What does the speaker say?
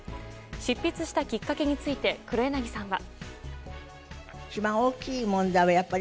執筆したきっかけについて黒柳さんは。